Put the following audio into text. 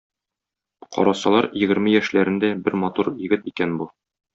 Карасалар, егерме яшьләрендә бер матур егет икән бу.